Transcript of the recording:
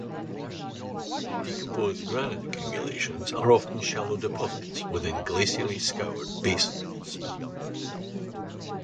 Decomposed granite accumulations are often shallow deposits within glacially scoured basins.